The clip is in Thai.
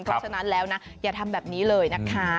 เพราะฉะนั้นแล้วนะอย่าทำแบบนี้เลยนะคะ